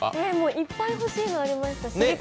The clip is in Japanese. いっぱい欲しいのありました。